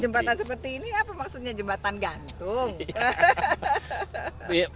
tau gak jembatan seperti ini apa maksudnya jembatan gantung